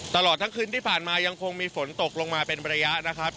ตลอดทั้งคืนที่ผ่านมายังคงมีฝนตกลงมาเป็นระยะนะครับ